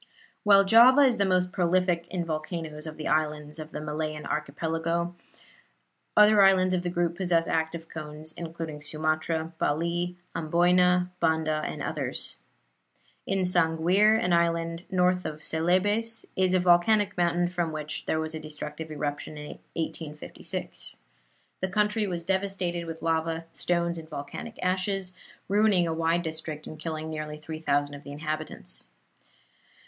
While Java is the most prolific in volcanoes of the islands of the Malayan Archipelago, other islands of the group possess active cones, including Sumatra, Bali, Amboyna, Banda and others. In Sanguir, an island north of Celebes, is a volcanic mountain from which there was a destructive eruption in 1856. The country was devastated with lava, stones and volcanic ashes, ruining a wide district and killing nearly 3,000 of the inhabitants.